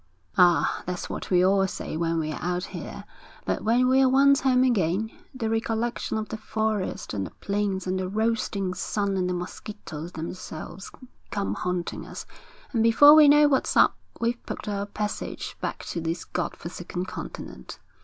'Ah, that's what we all say when we're out here. But when we're once home again, the recollection of the forest and the plains and the roasting sun and the mosquitoes themselves, come haunting us, and before we know what's up we've booked our passage back to this God forsaken continent.'